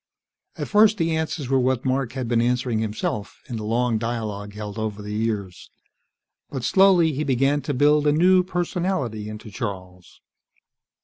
At first the answers were what Mark had been answering himself, in the long dialogue held over the years. But, slowly, he began to build a new personality into Charles.